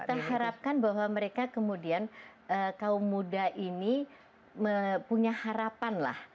kita harapkan bahwa mereka kemudian kaum muda ini punya harapan lah